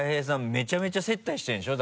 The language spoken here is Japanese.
めちゃめちゃ接待してるんでしょ？だって。